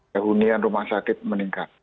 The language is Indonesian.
kehunian rumah sakit meningkat